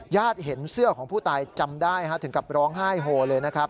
ญาติเห็นเสื้อของผู้ตายจำได้ถึงกับร้องไห้โฮเลยนะครับ